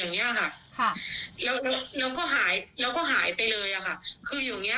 ที่เขาเอามือถือเข้ามามันมีถังขยะตั้งอยู่แบบนี้อ่ะค่ะ